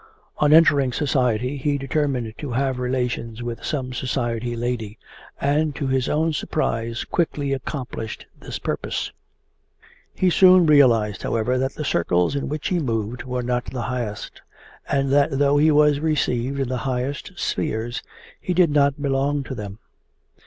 On entering society he determined to have relations with some society lady, and to his own surprise quickly accomplished this purpose. He soon realized, however, that the circles in which he moved were not the highest, and that though he was received in the highest spheres he did not belong to them.